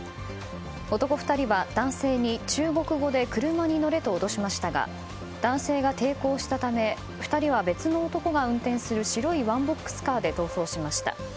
男２人は男性に中国語で車に乗れと脅しましたが男性が抵抗したため２人は別の男が運転する白いワンボックスカーで逃走しました。